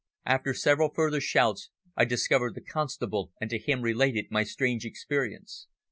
After several further shouts I discovered the constable and to him related my strange experience.